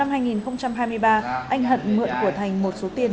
anh hận mượn của thành một số tiền